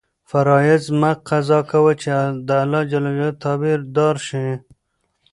فرایض مه قضا کوه چې د اللهﷻ تابع دار شې.